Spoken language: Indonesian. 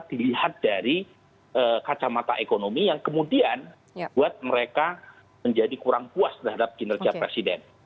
dilihat dari kacamata ekonomi yang kemudian buat mereka menjadi kurang puas terhadap kinerja presiden